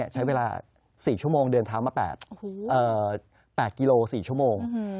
๑ชั่วโมงเดินเท้ามา๘กิโล๔ชั่วโมง